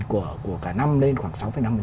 của cả năm lên khoảng sáu năm